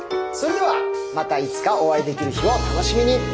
それではまたいつかお会いできる日を楽しみに。